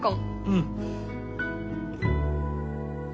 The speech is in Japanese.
うん！